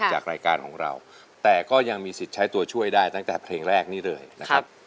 จากรายการของเราแต่ก็ยังมีสิทธิ์ใช้ตัวช่วยได้ตั้งแต่เพลงแรกนี้เลยนะครับ